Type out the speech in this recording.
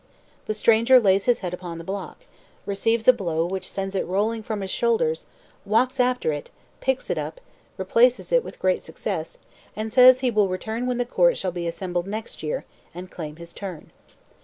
The stranger lays his head upon the block, receives a blow which sends it rolling from his shoulders, walks after it, picks it up, replaces it with great success, and says he will return when the court shall be assembled next year, and claim his turn.